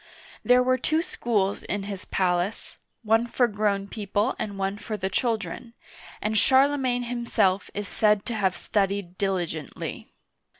There were two schools in his palace, one for grown people and one for the children, and Charle magne himself is said to have studied diligently.